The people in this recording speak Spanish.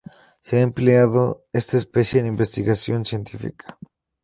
Se ha empleado esta especie en investigación científica.